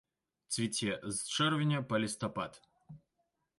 Цвіце з чэрвеня па лістапад.